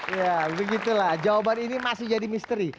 ya begitulah jawaban ini masih jadi misteri